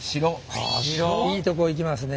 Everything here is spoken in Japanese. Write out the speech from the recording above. いいとこいきますね。